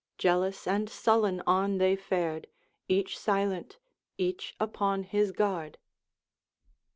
Jealous and sullen on they fared, Each silent, each upon his guard.